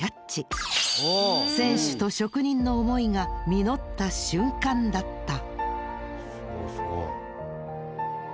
選手と職人の思いが実った瞬間だった。